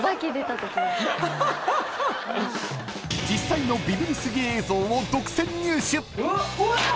［実際の］